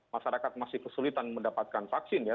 masyarakat masih kesulitan mendapatkan vaksin ya